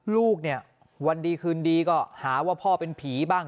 ลูกเนี่ยวันดีคืนดีก็หาว่าพ่อเป็นผีบ้าง